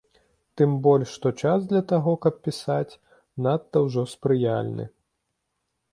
Тым больш, што час для таго, каб пісаць, надта ўжо спрыяльны.